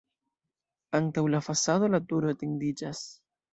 Antaŭ la fasado la turo etendiĝas.